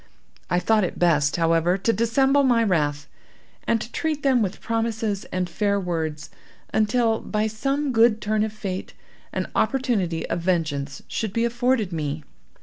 I thought it best, however, to dissemble my wrath, and to treat them with promises and fair words, until, by some good turn of fate, an opportunity of vengeance should be afforded me.